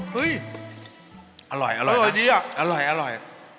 เฮ้ยอร่อยอร่อยดีอ่ะอร่อยอร่อย